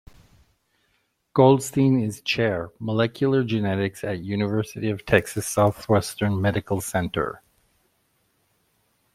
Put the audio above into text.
Goldstein is Chair, Molecular Genetics at University of Texas Southwestern Medical Center.